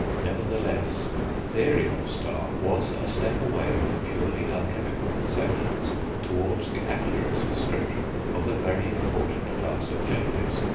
Nevertheless, the theory of Stahl was a step away from purely alchemical conceptions towards the accurate description of a very important class of changes.